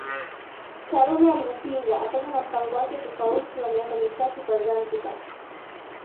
Karume aliupinga akaja na mpango wake tofauti wa miaka mitatu kwa Zanzibar